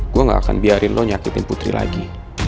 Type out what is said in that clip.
gue gak akan biarin lo nyakitin putri lagi